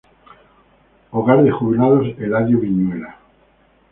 Hogar de Jubilados Eladio Viñuela.